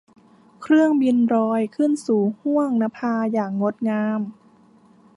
เครื่องบินลอยขึ้นสู่ห้วงนภาอย่างงดงาม